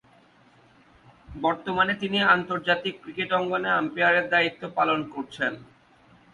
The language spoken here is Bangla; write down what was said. বর্তমানে তিনি আন্তর্জাতিক ক্রিকেট অঙ্গনে আম্পায়ারের দায়িত্ব পালন করছেন।